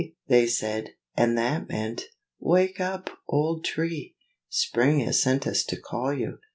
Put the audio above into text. they said; and that meant "Wake up, old Tree! Spring has sent us to call you.